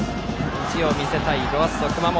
意地を見せたいロアッソ熊本。